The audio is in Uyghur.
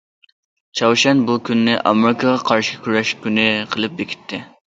چاۋشيەن بۇ كۈننى« ئامېرىكىغا قارشى كۈرەش كۈنى» قىلىپ بېكىتتى.